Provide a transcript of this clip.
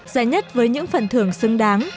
giải nhất với những phần thưởng xứng đáng